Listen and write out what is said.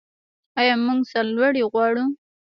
آیا موږ سرلوړي غواړو؟